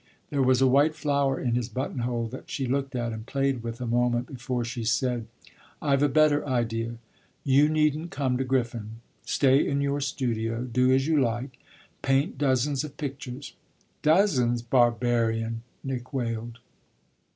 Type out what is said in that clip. There was a white flower in his buttonhole that she looked at and played with a moment before she said; "I've a better idea you needn't come to Griffin. Stay in your studio do as you like paint dozens of pictures." "Dozens? Barbarian!" Nick wailed.